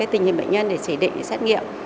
tình hình bệnh nhân để chỉ định xét nghiệm